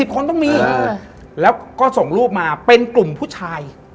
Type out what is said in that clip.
คนต้องมีแล้วก็ส่งรูปมาเป็นกลุ่มผู้ชาย